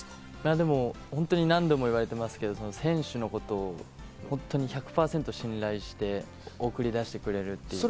何度も言われてますけど、選手のことを本当に１００％信頼して送り出してくれるところが。